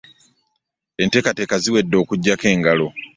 Enteekateeka ziwedde okuggyako engalo.